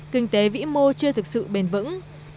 kinh tế vĩ mô chưa thực sự bền vững